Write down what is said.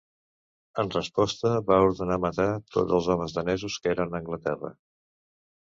En resposta, "va ordenar matar tots els homes danesos que eren a Anglaterra".